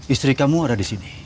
istri kamu ada disini